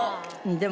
でも。